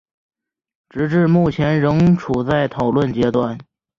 直至目前仍处在讨论阶段。